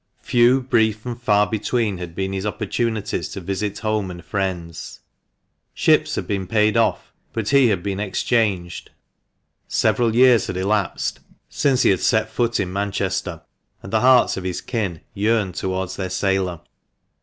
Few, brief, and far between had been his oppor tunities to visit home and friends. Ships had been paid off, but he had been ex changed, several years had elapsed since he had set foot in Manchester, and the hearts of his kin yearned towards their sailor.